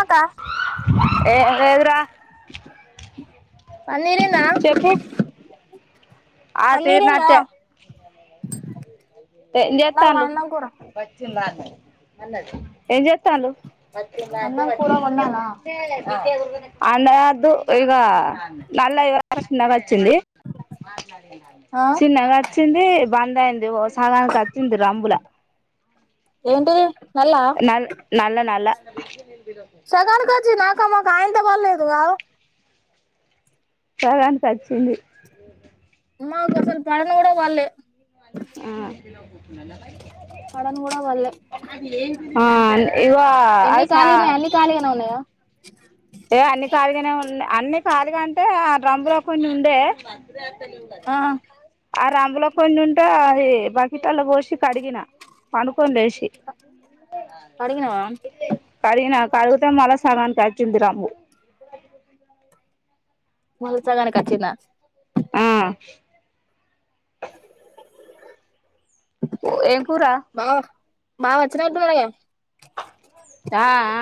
అక్క ఏ ఏది రా పన్ తీరిందా ఆ తీరినట్టే పెం వండాలా చేతళ్ళు అన్నం కూర అన్నది ఏం చేతాళ్ళు పట్టీల అంటే అన్నం పట్టి కూర నే ఇన్నే వండాలా కుసుండే బిడ్డే పోత అండదొద్దు ఇగ నల్ల వక వచ్చింది ఆ సిన్నగా వచ్చింది బందయింది సగానికొచ్చింది రంబుల ఏంటి నల్ల అే సగాని కొచ్చిందా క్క మా కాయంత బల్లేదుగాదు సగానికచ్చి చింది మాకు అసలు పడను కూడా పళ్ళే పడను కూడా పడలే అ ఆ ఇవా అసా ఉ ఏ అన్ని కాలిగానే ఉన్నా అన్ని కాలిగా అంటే ఆ డ్రంబులో కొన్ని ఉండే [inaudible] కదా ఆ ఆ రంజులో కొన్ని ఉంటే అది బకిట్లలో పోసి కడిగిన పండుకొని లేసి అడిగినవా కడిగినా కడిగితే మల్లా సగాన్కచ్చ తిందరాము మల్ సంగానికచ్చిన్నా ఆ ఏం కూర మా వచ్చినబ్బుగా ఆ ఆ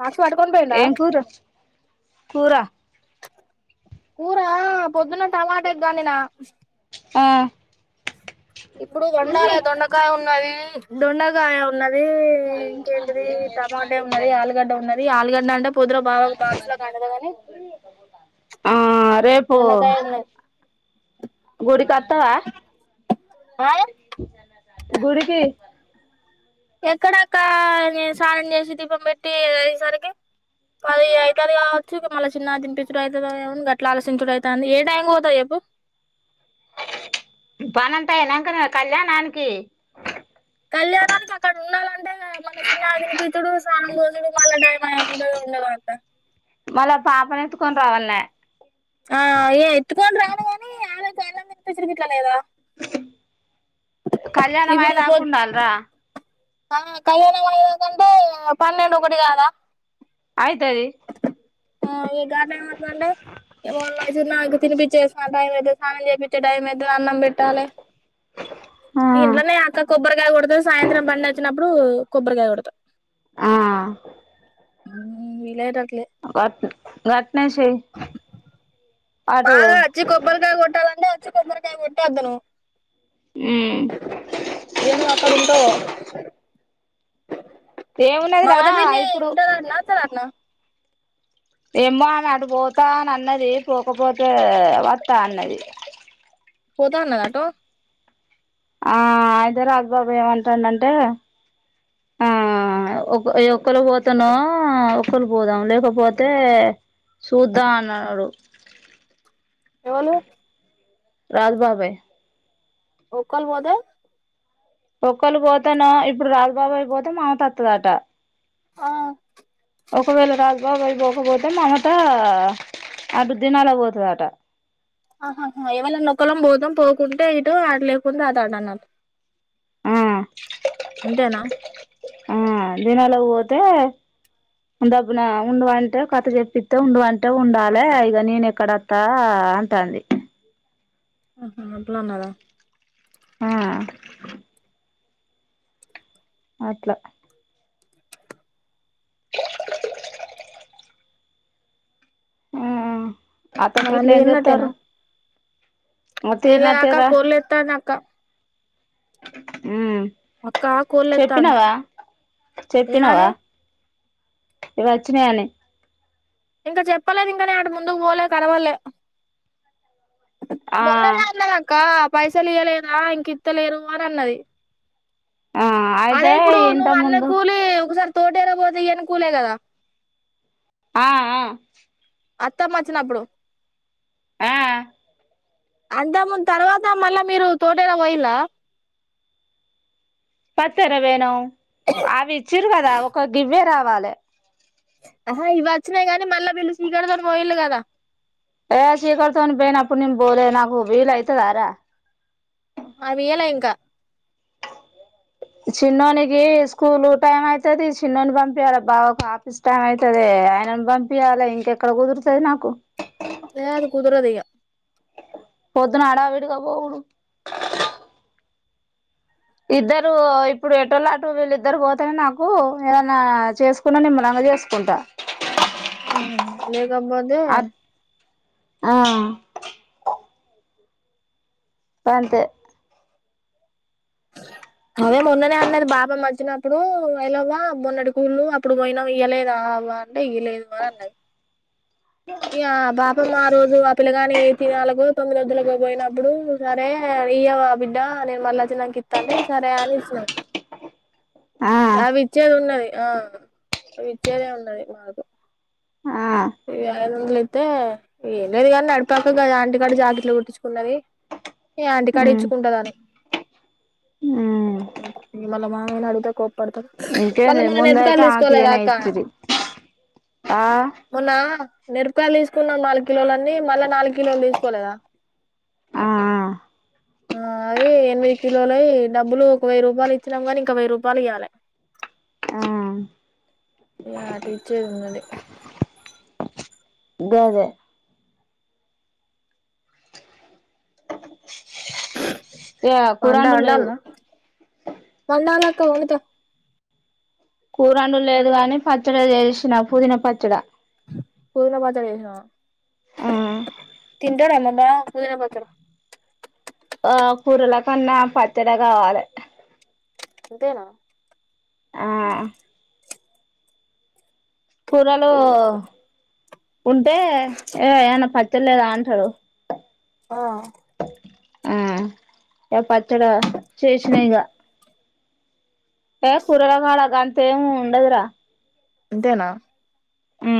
మాస్క్ పట్టుకొని పోయిండా ఏం కూర కూర కూరా పొద్దున్న టలాటాకి గాన్న ఆ ఇప్పుడు వండాల దొండకాయ ఉన్నది డొండగాయ ఉన్నది ఇంకేంటిది టమాటే ఉన్నది ఆలుగడ్డ ఉన్నది ఆలుగడ్డ అంటే పొద్దురో బాగా ఒక బాక్స్ లో కండపోదామని ఆ రేపు గుడి కత్తవా ఆ గుడికి ఎక్కడక్క నేను సానం చేసి దీపం పెట్టి అయ్యేసరికి అది అయితారు కావచ్చుక మళ్ళీ చిన్న దినిపించడు అవుత కా గట్లా ఆలోశించడు అవుతంది ఏ టైంకి పోతావ్ చెప్పు పనంతయనాంకనే కళ్యాణానికి కళ్యాణానికి అక్కడ ఉండాలంటే మన చిన్న అగ్నిపతుడు సానం భోజుడు మళ్ళ టైం అండ ఉండదట మళ పాపన కొన రావాలన్నా ఆ ఏ ఎత్కండ్ర కాని ఆలోచాలపిచ్చిట్లేదా [inaudible] కళ్యాణ ఇప్పుడు పొద్ అదాకుడాాలరా ఆ కళ్యాణ వయ కంటే పన్నెండు ఒక ఒకటి కాదా అయితే ఆ ారళోు నాగ పిచ్చే టైమ్తే సాం చెపితే టై అన్నం పెట్టాలి ఆ ఇంట్లోనే అక్క కొబ్బరి కాయ కొడతారు సాయంత్రం పడి వచ్చినప్పుడు కొబ్రికాయ కొడతారు ఆ అ [inaudible] వతు గట్ స అటు కొబరకాయ కొట్టే అద్దను మ్ ఏను అక్కడ ఉంటావ ఏమున్నదిరా మమత పిన్ని ఇప్పుడు ఉంటది ఆట నా వత్తదటనా ఎమ్మో ఆమె అడు పోతా అని అన్నది పోకపోతే వత్త అన్నది పోత అన్నద అటు ఆ ఆయితే రాజు బాబాయ్ ఏం అంటాడు అంటే ఆ ఒక ఒక్కళకి పోతేనో ఒకలికి పోదాం లేకపోతే చూద్దాం అన్నాడు ఎవలు రాద్ బాబాయ్ ఒక్కల్ పోతే ఒక్కళ్ళు పోతేనో ఇప్పుడు రాజుబాబాయి పోతే మమత వొత్తదట ఆ ఒకవేళ రాజు బాబాయ్ పోకపోతే మామత అటు దినాలకు పోతదట ఆహా ఎవలన్న ఒక్కలం పోతాం పోకుంటే ఇటు అటు లేకుండా అతటు అన్నట్టు ఊ అంతేనా ఆ దినాల పోతే దబ్బున ఉండవంటవ్ కథ చెప్పిథావ్ ఉండవంటవ్ ఉండాలె ఇక నేను ఎక్కడథా అంటోంది ఆహా అట్ల అన్నాదా ఆ అట్ల అతను ఇట్ల ఏం చేత్తారు ఎలా అక్క తీరినట్టేరా కోర్లేత్తానా క్క ఊ అక్క ఆక్కూర్లు ఏత్తాంది ఏమనే ఇవచ్చినయనే ఇంక చెప్పలేదు ఇంకనే అటు ముందుకు పోలే కనపల్లే ఆ మొన్ననే అన్నదక్క పైసలు ఇయ్యలేదా, ఇంకిత్తలేరు అని అన్నది. ఆ అయితే అదే ఇప్పుడు ఇంత నువ్వు అన్న ముందు కూలి ఒకసారి. తోట ఇరబోతే ఎనుకూలే కదా. ఆ ఆ అత్తమ్మచ్చినప్పుడు ఆ అంత ముందు తర్వాత మళ్ళా మీరు తోటెల పోయిల్లా పత్తర వేనామ్ అవి ఇచ్చిరు కదా ఒక గివ్వే రావు వాలె ఆహా ఇవి వచ్చినాయి. గానీ మళ్ళీ వీళ్ళు శ్రీకరుతోని పోయిళ్ళు కదా ఏ శీకర్తోని పోయినప్పుడు నేన్ బోలే నాకు వీల అయితదారా. అవి ఇయ్యల ఇంకా చిన్నోనికి స్కూలు టైం అయితది చిన్నోని పంపింయ్యాలే. బావకు ఆఫీస్ టైం అయితదే ఆయనని పంపయ్యాలె, ఇంకెక్కడ కుదురుతది నాకు. కుదరదిగ పొద్దున అడావిడిగా పోవుడు. ఇద్దరు ఇప్పుడు ఎటోల్లటు వీళ్ళిద్దరు పోతేనే నాకు ఏదన్నా చేసుకున్నా నిమ్మలంగ చేసుకుంటా. ఆహా లే దబదే అట్ ఆ పంత అదే మొన్ననే అన్నది బాబా మర్ధినప్పుడు ఎయిలవవా మొన్నడి కూళ్ళు అప్పుడు పోయినా ఇయ్వలేదు. అవ్వ అంటే ఇయ్యలేదు అని అన్నది. ఇ పాప మా రోజు ఆ పిల్లగాని తినాలుగ తొమ్మిది రోజులలకు పోయినప్పుడు సరే ఇయ్య బిడ్డ నేను మళ్ళ వచ్చిననికి ఇస్తా. అండి సరే అని ఇస్తునను ఆ అవి ఇచ్చేది ఉన్నది ఆ అవి ఇచ్చేదే ఉన్నది మాకు. ఆ ఇ ఐదు వందల అయితే ఏం లేదు కాని నడిపాక ఆంటకాడ జాతిలో పట్టించుకున్నది. ఈ ఆంటకాడ ఉమ్ ఇచ్చుకుంటద అని మావయ్య అడిగితే కోపం ఇంకేంద ముందయతా ఆకు ఏన్ అక్క యితు ఆ మొన్న మిరపాయలు తీసుకున్నాం నాలుగు కిలోలున్నీ మళ్ళీ నాలుగు కిలోలు తీసుకోలేదా. ఆ ఆ అవి ఎనిమిది కిలోలువి డబ్బులు ఒక వెయ్యి రూపాయలు ఇచ్చినాం, గాని ఇంకా వెయ్యి రూపాయలు ఇవ్వాలి ఆ ఇటి ఇచ్చేదిందండి. గదే ఏ కురాండు లేదు మన్ళ అకా ఉనుత కూరవండేలేదు గాని పచ్చడి చేసి పిన పుదీ పచ్చడా పదుల పాత చేస తనంట ఎమ బ పూజిన పాత్ర ఆ కూరల కన్నా పచ్చడి కావాలి ఇంతేనా ఆ కూరలు ఉంటే ఏ ఏమనా పచ్చలేదా అంటే హలో ఆ ఆ పచ్చడా చేషిన ఇకా ఏ కురల కాాల అ గంత ఉండదురా అంతేనా ఉ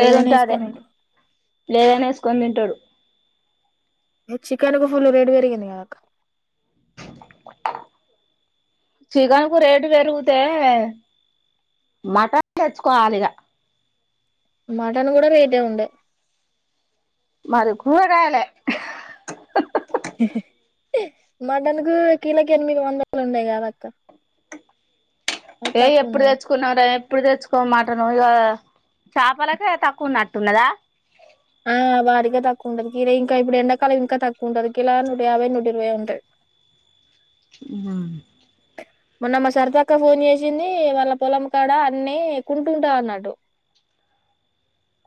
ఏదైనా వేసుకోనిండి లేదని వేసుకొని తింటారు చికెన్ కు ఫుల్ రెడి పెరిగింది కదాక చికెన్ కు రేటు పెరిగితే మటన్ తెచ్చుకోవాలిక మటన్ కూడాడ రేట్ ఉండ మరి కూర కాయాల మటన్ కు కీలక ఎనిమిది వందలు ఉండయి కదక్క ఏయ ఎప్పుడు తెచ్చుకున్నార ఇప్పుడు తెచ్చుకోమాట నువ్వు ఇక చపలకే తక్కువ నచ్చ న్నదా ఆ వారగా తక్కువ ఉంటది క ఇలా ఇంకా ఇప్పుడు ఎండాకాలం ఇంకా తక్కువ ఉంటది ఇలా నూట యాభై నూటి ఇరవై ఉంటుంది మొన్నమ్మ సరిత అక్క ఫోన్ చేసింది వాళ్ళ పొలం కాడ అన్ని కుంటుంటా అన్నట్టు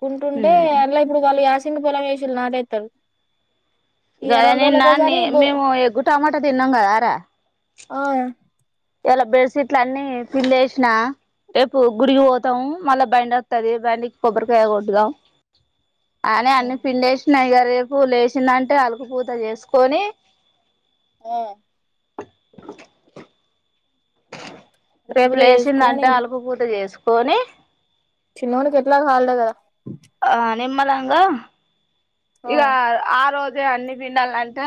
కుంటుంటే ఎలా ఇప్పుడు వాళ్ళు వ సింగ పోల వషలు నాేతలు కదా నే నాన్న మేము ఎగ్ టమాటా తిన్నాం కదారా ఆ ఇలా బెడ్ షీట్లు అన్ని ఫిల్ వేసినా రేపు గురిగిపోతాము మళ్ళా బైండ్ వస్తుది బైంకి కొబ్బరికాయ కొటిగా అని అన్న పింలేేసినాయి గద రేపు లేచిందంటే అలుగు పూత చేసుకొని ఆ రేపు ఉక్కుపోతే లేచంద వేసుకొని అంటే అలుపు పూట చేసుకో పోనే చిన్నవుని కేట్లా హాలిడే కదా నిమ్మలాంగా ఆ ఇక ఆ రోజు అన్ని పిడాలాంట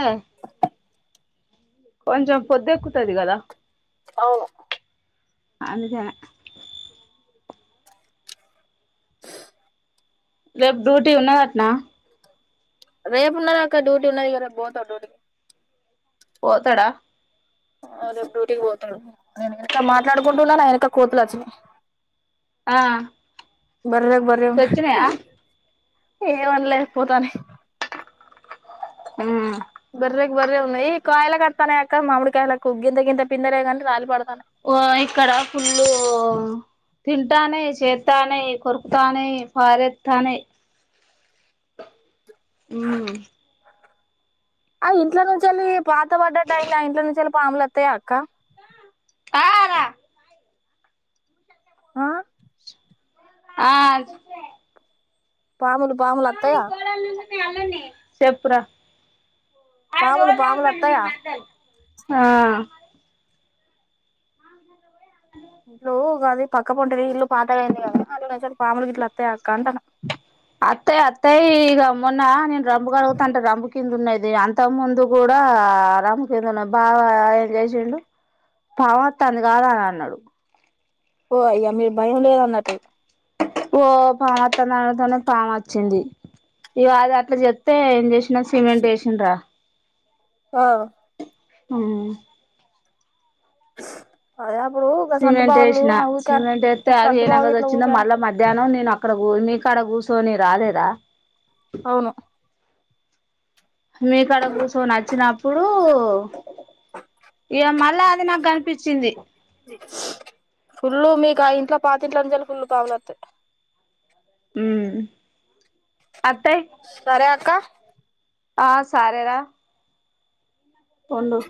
కొంచెం పొద్దుక్కుతుది కదా అవును అందుకానే రేపు డ్యూటీ ఉన్నదట్నా రేపు ఉండదు అక్క డ్యూటీ ఉన్నది కద రేపు పోతా డ్యూటీ పోతాడా దేపు డూటీకి పోతాడు నేను వెనక మాట్లాడుకుంటున్నా నా వెనక కోతులు అచ్చవి ఆ బర్లేక బర ఉ సొచ్చినయా ఏ అనలేదు పోతనే ఉమ్ బర్రీకి బర్రే ఉందియి ఈ కాయల కడతానే అక మామిడి కాయల కు గగింత గింత పిందరే కాంనీ రాల పడత ఓ ఇక్కడ ఫుల్లు తింటానే చేస్తానే కొరుకుతాని పారెస్తాని హమ్ ఆ ఇంట్లో నుంచి వెళ్ళి పాత పడ్డట్ అయినా ఇంట్ నుంచి వెళ్ళి పాములుత్తాయి అక్క ఆ అక్క ఆ ఆ పాములు పాములు అత్తాయా చెప్పురా పాములు పాములు అత్తాయా ఆ ఇట్లు కాది పక్క ప ఉంటది ఇల్లు పాత అంది కదా పాములు గిట్ల వత్తాయా అక్క అంటాన్నా అత్తాయి అత్తాయి ఇ అమ్న్న నేన్ రంబకు అడుగుత అంట రబుకి కింద ఉన్నది అంత ముందు కూడా ఆ రమ కింద ఉన్నాది బాగా ఎంజాయ్ చెండు బావ తంది కాదు అని అన్నాడు ఓ అయ్యా మీరు భయం లేద అన్నట్టు ఓ పాము వత్తందాంతోనే పాము వచ్చింది ఇవాది అట్లా చెప్తే ఏం చేసిన సిమెంట్ చేసిన్రా ఆ ఆ అద సిమెంట్ వేసినా సిమెంట్ వేస్తే ఆ అది సంత ఏ బావ నంగది గిట్ల వచ్చిందో ఊకే అన్ మళ్ళా మధ్యాహ్నం నేను అక్కడ నీకాడ కూర్చొని రాలేదా అవును మీకాడకుసోని నోచ్చిన ఇప్పుడు ఇక మళ్ళా అది నాకు కనిపించింది ఫుల్లు మీకు ఇంట్లో పాతింట్లో నుంచిల ఫుల్లు కావలత్ ఉమ్ సరే అక్క ఆ సారే రా పొండు